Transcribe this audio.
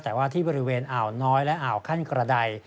แต่ว่าที่บริเวณอ่าวน้อยและอ่าวขั้นกระดาย